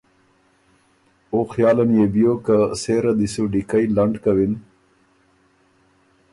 او خیاله ن يې بیوک که سېره دی سُو ډیکئ لنډ کوِن